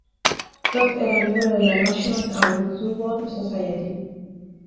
Todd era miembro de la National Audubon Society.